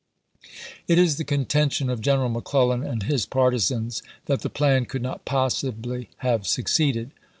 It is the contention of Greneral McClellan and his partisans that the plan could not possibly have succeeded.